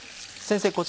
先生